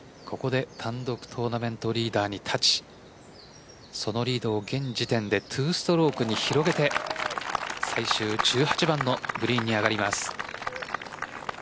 ここで単独トーナメントリーダーに立ちそのリードを現時点で２ストロークに広げて最終１８番のグリーンに上がります。